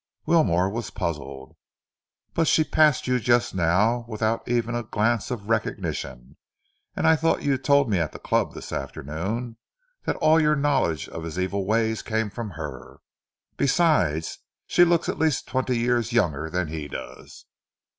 Wilmore was puzzled. "But she passed you just now without even a glance of recognition, and I thought you told me at the club this afternoon that all your knowledge of his evil ways came from her. Besides, she looks at least twenty years younger than he does."